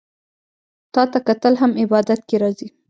تاته کتل هم عبادت کی راځي